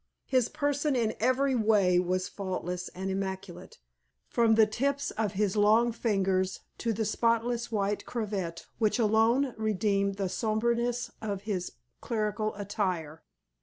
His person in every way was faultless and immaculate, from the tips of his long fingers to the spotless white cravat which alone redeemed the sombreness of his clerical attire.